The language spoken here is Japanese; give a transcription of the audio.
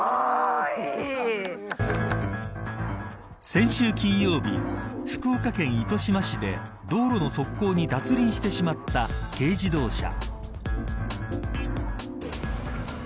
先週金曜日福岡県糸島市で道路の側溝に脱輪してしまった軽自動車。